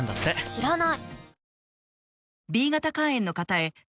知らない！